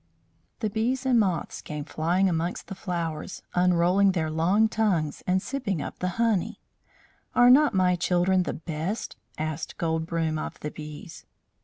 The bees and moths came flying amongst the flowers, unrolling their long tongues and sipping up the honey. "Are not my children the best?" asked Gold Broom of the bees.